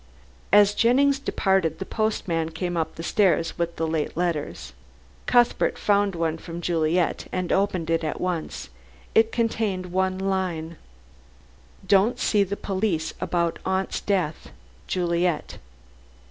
As Jennings departed the postman came up the stairs with the late letters. Cuthbert found one from Juliet and opened it at once. It contained one line "Don't see the police about aunt's death JULIET."